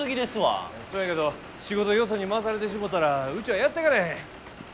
そやけど仕事よそに回されてしもたらうちはやってかれへん。